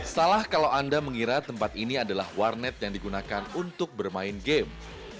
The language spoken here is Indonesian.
salah kalau anda mengira tempat ini adalah warnet yang digunakan untuk bermain game